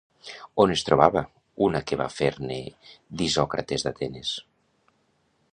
On es trobava una que va fer-ne d'Isòcrates d'Atenes?